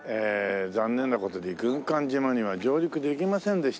残念な事に軍艦島には上陸できませんでした。